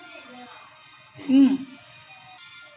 มันบอกโทรศัพท์ไม่มีเงินลุงมีโทรศัพท์ไหม